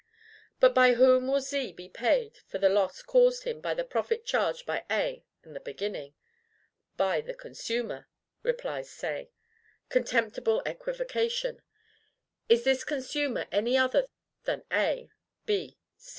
But by whom will Z be paid for the loss caused him by the profit charged by A in the beginning? BY THE CONSUMER, replies Say. Contemptible equivocation! Is this consumer any other, then, than A, B.